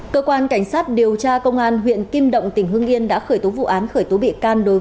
cơ quan cảnh sát điều tra công an huyện kim động tỉnh hương yên đã khởi tố vụ án khởi tố bị can